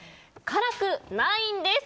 辛くないんです。